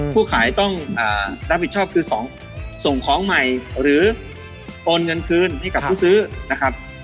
ผู้ขายต้องรับผิดชอบคือส่งของใหม่หรือโอนเงินคืนให้กับผู้ซื้อนะครับ